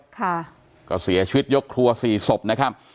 ค่ะก็เสียชีวิตยกครัวสี่ศพนะครับ